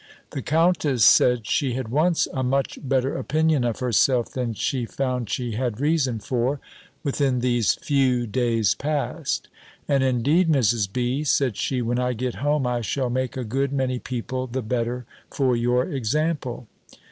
The countess said she had once a much better opinion of herself, than she found she had reason for, within these few days past: "And indeed, Mrs. B.," said she, "when I get home, I shall make a good many people the better for your example."